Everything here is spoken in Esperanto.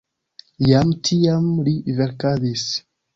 Jam tiam li verkadis.